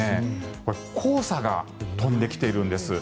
これは黄砂が飛んできているんです。